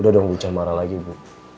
udah dong bu camara lagi bu